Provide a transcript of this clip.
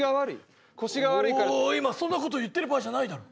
ああ今そんなこと言ってる場合じゃないだろ。